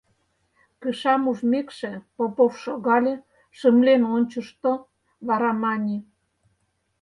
Кышам ужмекше, Попов шогале, шымлен ончышто, вара мане: